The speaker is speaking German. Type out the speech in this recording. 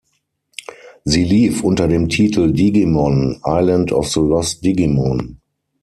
Sie lief unter dem Titel "Digimon: Island of the Lost Digimon".